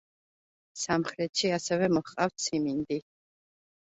სამხრეთში ასევე მოჰყავთ სიმინდი.